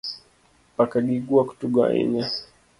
Paka gi gwok tugo ahinya